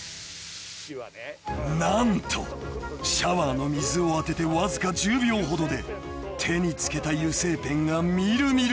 ［何とシャワーの水を当ててわずか１０秒ほどで手に付けた油性ペンが見る見るうちに］